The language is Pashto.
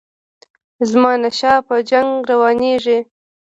د زمانشاه په جنګ روانیږي.